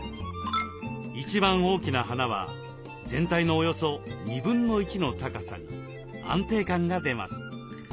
一番大きな花は全体のおよそ1/2の高さに。安定感が出ます。